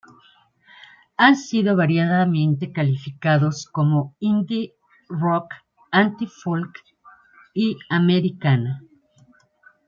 Han sido variadamente clasificados como Indie rock, Anti-folk y Americana.